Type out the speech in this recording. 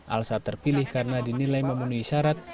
alsa terpilih karena dinilai memenuhi syarat